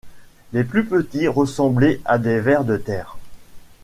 Les plus petits ressemblaient à des vers de terre.